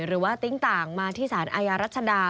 หรือว่าติ้งต่างมาที่สารอายารัชฎา